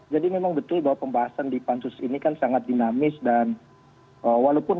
jadi memang betul bahwa pembahasan di pansus ini kan sangat dinamis dan